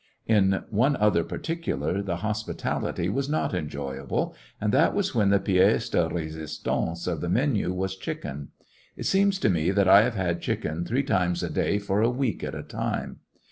In one other particular the hospitality was Onthepreva not enjoyable, and that was when the piece de dhkken resistance of the menu was chicken. It seems to me that I have had chicken three times a day for a week at a time.